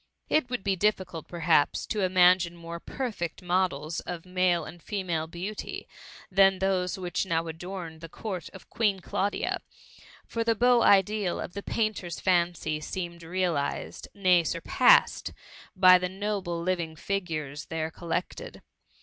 It would be difficult, perhaps, to imagine more perfect models of male and female beauty than those which now adorned THE MUMMY. S59 the Court of Queen Claudia, for the beau ideal of the painter^s fancy seemed realized, nay sur passed by the noble living figures there col lected.